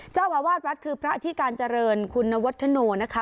เจ้าอาวาสวัดคือพระที่การเจริญคุณวัฒโนนะคะ